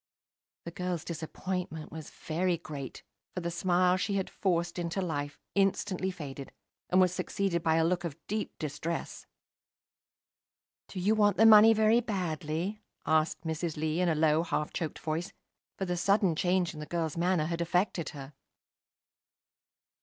The girl's disappointment was very great, for the smile she had forced into life instantly faded, and was succeeded by a look of deep distress. "Do you want the money very badly?" asked Mrs. Lee, in a low, half choked voice, for the sudden change in the girl's manner had affected her.